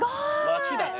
街だね。